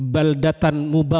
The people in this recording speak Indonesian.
baladina yang mubarak